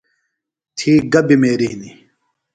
تھی گہ بِمیریۡ ہِنیۡ؟